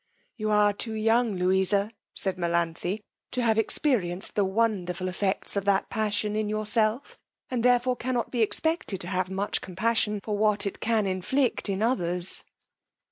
You are too young, Louisa, said Melanthe, to have experienced the wonderful effects of that passion in yourself, and therefore cannot be expected to have much compassion for what it can inflict on others.